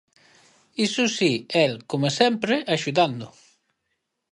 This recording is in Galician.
Iso si, el, coma sempre, axudando.